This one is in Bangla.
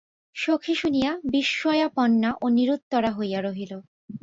সখী শুনিয়া বিস্ময়াপন্না ও নিরুত্তরা হইয়া রহিল।